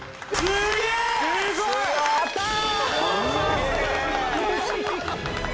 すげえやったー嬉しい